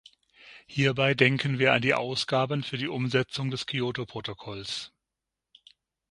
Hierbei denken wir an die Ausgaben für die Umsetzung des Kyoto-Protokolls.